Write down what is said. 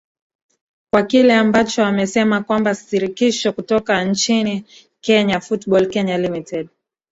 kwa kile ambacho amesema kwamba sirikisho kutoka nchini kenya football kenya limited